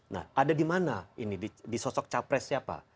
nah ada di mana ini di sosok capres siapa